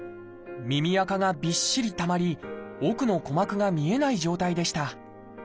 耳あかがびっしりたまり奥の鼓膜が見えない状態でした。